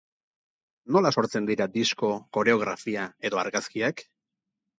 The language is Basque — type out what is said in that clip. Nola sortzen dira disko, koreografia edo argazkiak?